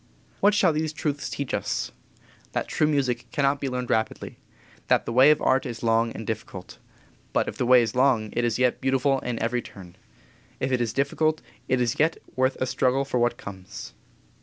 What shall these truths teach us? That true music cannot be learned rapidly; that the way of Art is long and difficult. But if the way is long, it is yet beautiful in every turn; if it is difficult, it is yet worth a struggle for what comes.